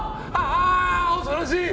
恐ろしい！